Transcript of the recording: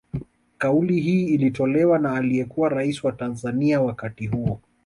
Kauli hii ilitolewa na aliyekuwa raisi wa Tanzania wakati huo